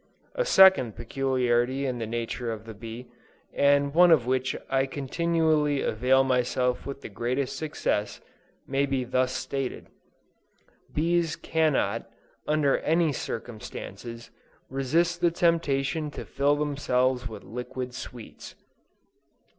A second peculiarity in the nature of the bee, and one of which I continually avail myself with the greatest success, may be thus stated. BEES CANNOT, UNDER ANY CIRCUMSTANCES, RESIST THE TEMPTATION TO FILL THEMSELVES WITH LIQUID SWEETS.